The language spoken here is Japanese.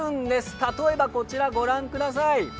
例えばこちら、ご覧ください。